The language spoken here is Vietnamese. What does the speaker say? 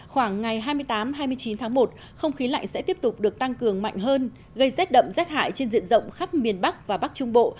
khoảng ngày hai mươi tám hai mươi chín tháng một không khí lạnh sẽ tiếp tục được tăng cường mạnh hơn gây rét đậm rét hại trên diện rộng khắp miền bắc và bắc trung bộ